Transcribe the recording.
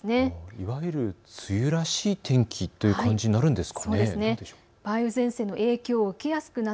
いわゆる梅雨らしい天気という感じになるんですか？